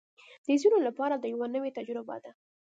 د ځینو لپاره دا یوه نوې تجربه ده